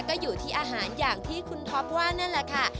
ก็อยู่ที่อาหารอย่างที่คุณท็อปว่านั่นแหละค่ะ